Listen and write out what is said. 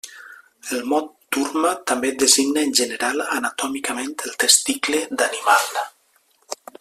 El mot turma també designa en general anatòmicament el testicle d'animal.